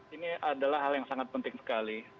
ini adalah hal yang sangat penting sekali